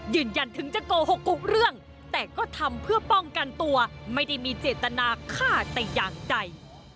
ยืนยันถึงจะโกหกกุเรื่องแต่ก็ทำเพื่อป้องกันตัวไม่ได้มีเจตนาฆ่าแต่อย่างใด